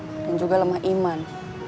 dan juga lemah iman